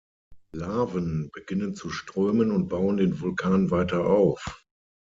Laven beginnen zu strömen und bauen den Vulkan weiter auf.